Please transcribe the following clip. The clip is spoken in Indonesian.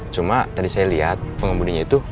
cuma tadi saya lihat pengemudinya itu